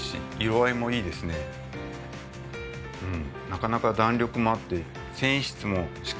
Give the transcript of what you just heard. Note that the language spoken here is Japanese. うん。